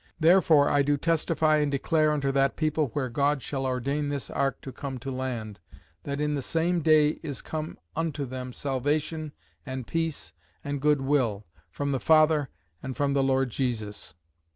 Therefore I do testify and declare unto that people where God shall ordain this ark to come to land, that in the same day is come unto them salvation and peace and good will, from the Father, and from the Lord Jesus.'